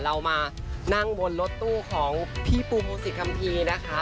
เรามานั่งบนรถตู้ของพี่ปูโมสิกคำพีนะคะ